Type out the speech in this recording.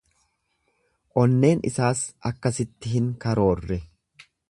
Onneen isaas akkasitti hin karoorre.